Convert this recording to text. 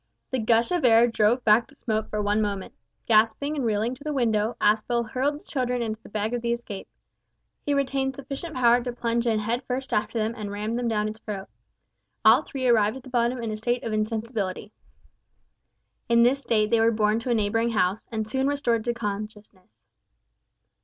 The gush of air drove back the smoke for one moment. Gasping and reeling to the window, Aspel hurled the children into the bag of the escape. He retained sufficient power to plunge in head first after them and ram them down its throat. All three arrived at the bottom in a state of insensibility. In this state they were borne to a neighbouring house, and soon restored to consciousness.